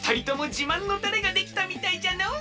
じまんのたれができたみたいじゃのう！